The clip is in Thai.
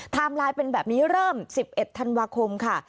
ไลน์เป็นแบบนี้เริ่ม๑๑ธันวาคมค่ะ